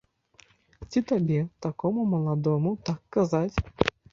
Ці табе, такому маладому, так казаць!